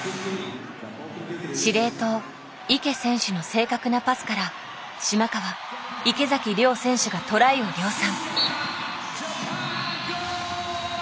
司令塔池選手の正確なパスから島川池崎両選手がトライを量産。